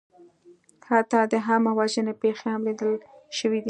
حتی د عامهوژنې پېښې هم لیدل شوې دي.